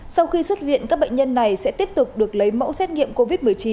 sau khi xuất viện các bệnh nhân này sẽ tiếp tục được lấy mẫu xét nghiệm covid một mươi chín